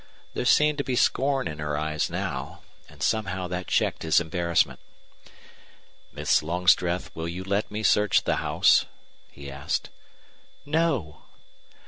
There seemed to be scorn in her eyes now. And somehow that checked his embarrassment. "Miss Longstreth, will you let me search the house?" he asked. "No."